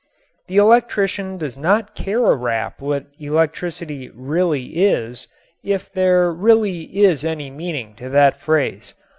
The electrician does not care a rap what electricity "really is" if there really is any meaning to that phrase.